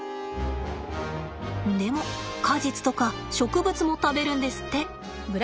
でも果実とか植物も食べるんですって。